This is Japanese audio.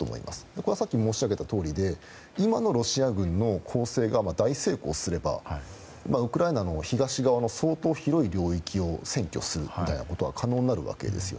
ここはさっき申し上げたとおりで今のロシア軍の攻勢が大成功すれば、ウクライナの東側の相当広い領域を占拠するみたいなことは可能になるわけですよ。